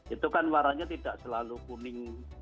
itu kan warnanya tidak selalu kuning